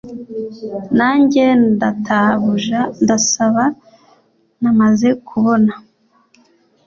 Nanjye Databuja ndasa naho namaze kubona